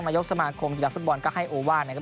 นายกสมาคมที่รักสุดบอลก็ให้โอว่านนะครับ